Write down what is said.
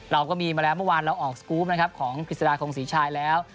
เราก็มีมาแล้วเมื่อวานเราออกสกรูปนะครับของกฤษฎาคงศรีชายแล้ว